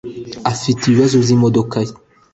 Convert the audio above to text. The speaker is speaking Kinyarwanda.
afite ibibazo byimodoka ye